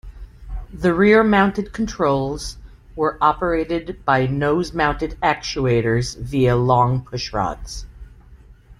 The rear-mounted controls were operated by nose-mounted actuators via long pushrods.